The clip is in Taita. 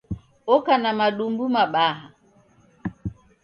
Oka na madumbu mabaha.